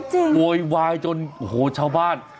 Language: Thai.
โวยวายจนโอ้โหชาวบ้าน